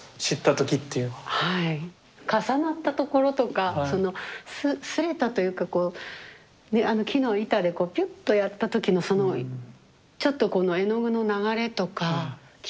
重なったところとかその擦れたというかこう木の板でこうピュッとやった時のそのちょっとこの絵の具の流れとかきれいだなと思って。